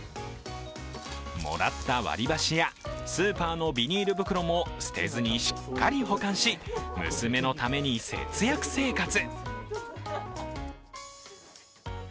もらった割り箸やスーパーのビニール袋も捨てずにしっかり保管し、娘のために節約生活。